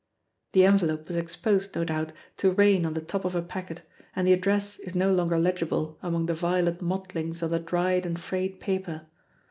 The envelope was exposed, no doubt, to rain on the top of a packet, and the address is no longer legible among the violet mottlings on the dried and frayed paper.